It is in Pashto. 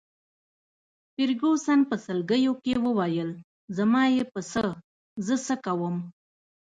فرګوسن په سلګیو کي وویل: زما يې په څه، زه څه کوم.